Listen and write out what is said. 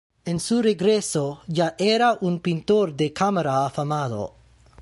En su regreso ya era un pintor de cámara afamado.